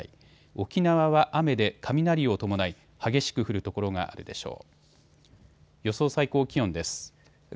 沖縄は雨で雷を伴い激しく降る所があるでしょう。